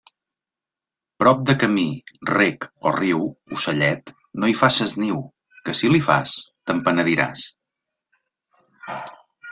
Prop de camí, rec o riu, ocellet, no hi faces niu, que si l'hi fas, te'n penediràs.